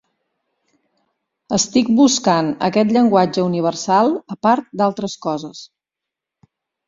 Estic buscant aquest Llenguatge Universal, a part d'altres coses.